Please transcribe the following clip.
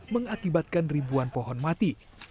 mengakibatkan ribuan pohon mati